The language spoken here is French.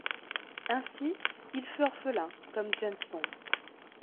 Ainsi, il fut orphelin comme James Bond.